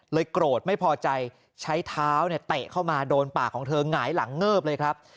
โกรธไม่พอใจใช้เท้าเนี่ยเตะเข้ามาโดนปากของเธอหงายหลังเงิบเลยครับ